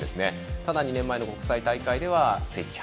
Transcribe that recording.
ただ、２年前の国際大会では惜敗。